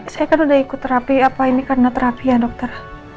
saya kan udah ikut terapi apa ini karena terapi ya dokter